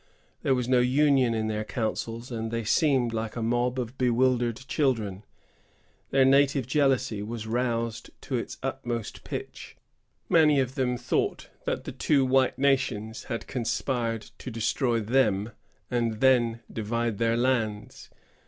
There was no union in their counsels, and they seemed like a mob of bewildered children. Their native jealousy was roused to its utmost pitch. Many of them thought that the two white nations had conspired to destroy them, and then divide their lands.